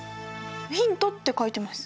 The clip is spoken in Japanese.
「ヒント」って書いてます。